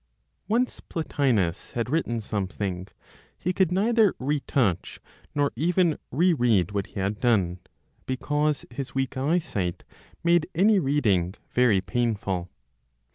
Once Plotinos had written something, he could neither retouch, nor even re read what he had done, because his weak eyesight made any reading very painful.